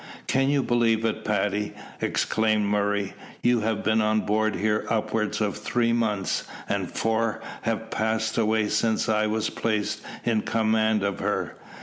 "Can you believe it, Paddy?" exclaimed Murray, "you have been on board here upwards of three months, and four have passed away since I was placed in command of her.